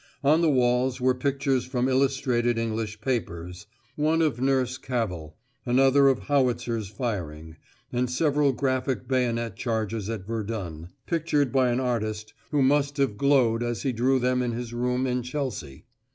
On the walls were pictures from illustrated English papers; one of Nurse Cavell, another of howitzers firing; and several graphic bayonet charges at Verdun, pictured by an artist who must have "glowed" as he drew them in his room in Chelsea.